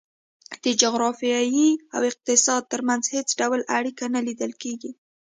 د جغرافیې او اقتصاد ترمنځ هېڅ ډول اړیکه نه لیدل کېږي.